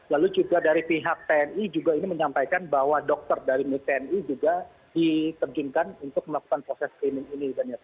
lalu juga dari pihak tni juga ini menyampaikan bahwa dokter dari tni juga diterjunkan untuk melakukan proses screening ini